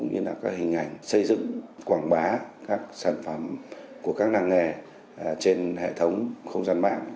như là các hình ảnh xây dựng quảng bá các sản phẩm của các làng nghề trên hệ thống không gian mạng